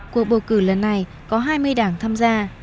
cuộc bầu cử lần này có hai mươi đảng tham gia